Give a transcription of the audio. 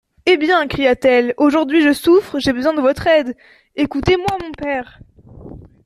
Eh bien ! cria-t-elle, aujourd'hui je souffre, j'ai besoin de votre aide … Écoutez-moi, mon père.